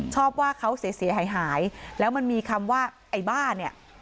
ชอบว่าเขาเสียหายหายแล้วมันมีคำว่าไอ้บ้าเนี่ย